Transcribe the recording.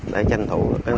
để tranh thủ